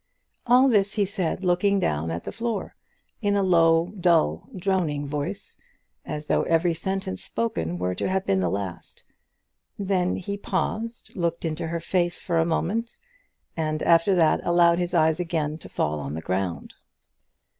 All this he said looking down at the floor, in a low, dull, droning voice, as though every sentence spoken were to have been the last. Then he paused, looked into her face for a moment, and after that, allowed his eyes again to fall on the ground.